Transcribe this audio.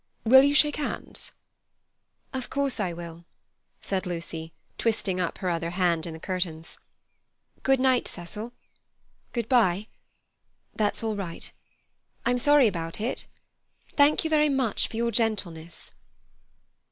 Will you shake hands?" "Of course I will," said Lucy, twisting up her other hand in the curtains. "Good night, Cecil. Good bye. That's all right. I'm sorry about it. Thank you very much for your gentleness."